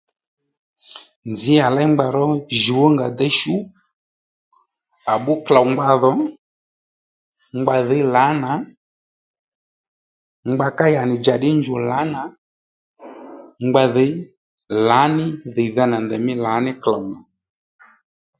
Nzǐ à léy ngba ró jǔw ónga déy shú à bbú klôw ngba dhò ngba dhǐy lǎnà ngba ká yǎnì djà ddí njù lǎnà ngba dhǐy lǎní dhìydha nà ndèymí lǎní klôw nà